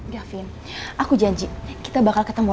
gavie kamu pergi sekarang oke